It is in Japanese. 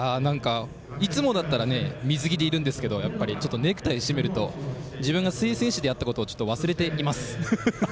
いつもだったら水着でいるんですけどネクタイ締めると自分が水泳選手であったことを忘れています。